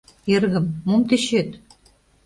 «Эргым, мом тӧчет?